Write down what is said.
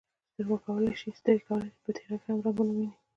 سترګې کولی شي په تیاره کې هم رنګونه وویني.